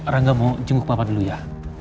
rangga mau jenguk bapak dulu ya